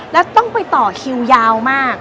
แล้วต้องไปต่อคิวยาวมาก